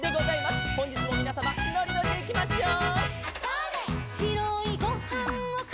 「ほんじつもみなさまのりのりでいきましょう」